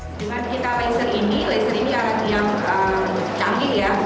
dengan kita laser ini laser ini arah yang canggih ya